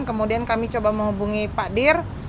kemudian kami coba menghubungi pak dir